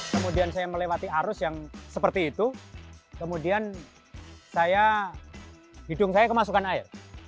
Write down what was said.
kemudian saya melewati arus yang seperti itu kemudian hidung saya kemasukan air